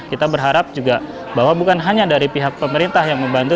kita berharap juga bahwa bukan hanya dari pihak pemerintah yang membantu